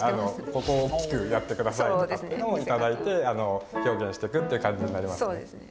ここを大きくやってくださいとかっていうのを頂いて表現していくっていう感じになりますね。